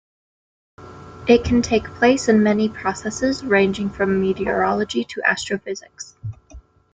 It can take place in many processes, ranging from meteorology to astrophysics.